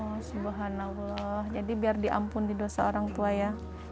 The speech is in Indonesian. oh subhanallah jadi biar diampun di dosa orang tua ya